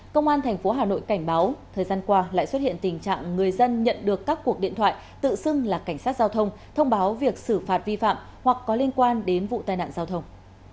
công an tp hà nội cảnh báo thời gian qua lại xuất hiện tình trạng người dân nhận được các cuộc điện thoại tự xưng là cảnh sát giao thông thông báo việc xử phạt vi phạm hoặc có liên quan đến vụ tai nạn giao thông